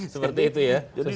seperti itu ya